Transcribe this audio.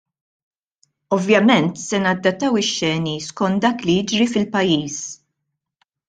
Ovvjament, se nadattaw ix-xeni skont dak li jiġri fil-pajjiż.